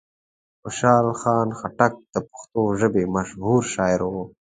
خوشحال خان خټک د پښتو ژبې مشهور شاعر و.